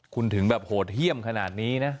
คุณถึงแบบโหดเยี่ยมขนาดนี้นะ